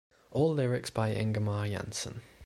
All lyrics by Ingemar Jansson.